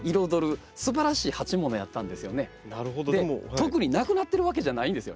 特になくなってるわけじゃないんですよ。